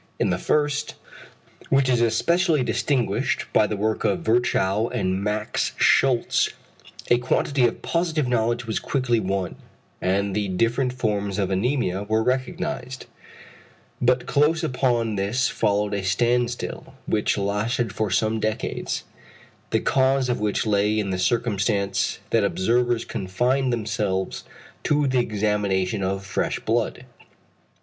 In the first, which is especially distinguished by the work of Virchow and Max Schultze, a quantity of positive knowledge was quickly won, and the different forms of anæmia were recognised. But close upon this followed a standstill, which lasted for some decades, the cause of which lay in the circumstance that observers confined themselves to the examination of fresh blood.